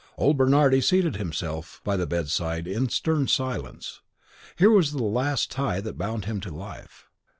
Old Bernardi seated himself by the bedside in stern silence; here was the last tie that bound him to life.